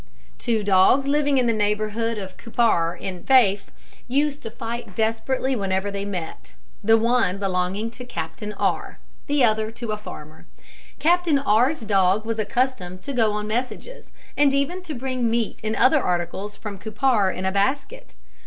Two dogs living in the neighbourhood of Cupar, in Fife, used to fight desperately whenever they met, the one belonging to Captain R , the other to a farmer. Captain R 's dog was accustomed to go on messages, and even to bring meat and other articles from Cupar in a basket.